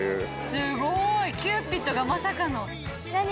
すごい！キューピッドがまさかの。